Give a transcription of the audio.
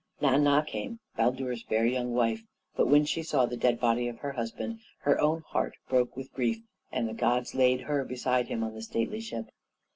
Nanna came, Baldur's fair young wife; but when she saw the dead body of her husband, her own heart broke with grief, and the gods laid her beside him on the stately ship.